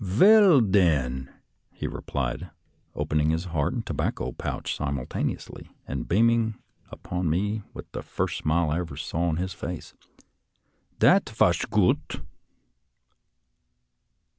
"Veil, den," he replied, opening his heart and tobacco pouch simultaneously, and beaming upon me with the first smile I ever saw on his face, " dat vash goot."